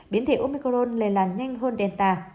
biến thể omicron lây làn nhanh hơn delta